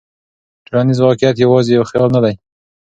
ټولنیز واقعیت یوازې یو خیال نه دی.